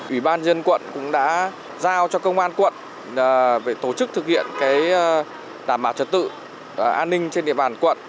ủy ban dân quận cũng đã giao cho công an quận về tổ chức thực hiện đảm bảo trật tự an ninh trên địa bàn quận